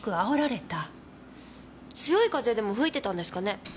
強い風でも吹いてたんですかね？